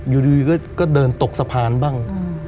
อยู่ดีก็เดินตกสะพานบ้าง